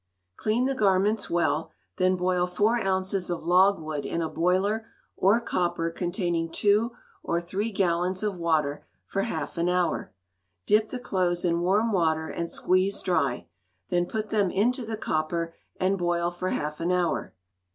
Clean the garments well, then boil four ounces of logwood in a boiler or copper containing two or three gallons of water for half an hour; dip the clothes in warm water and squeeze dry, then put them into the copper and boil for half an hour.